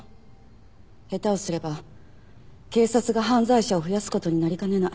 下手をすれば警察が犯罪者を増やす事になりかねない。